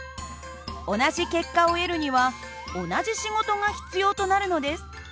同じ結果を得るには同じ仕事が必要となるのです。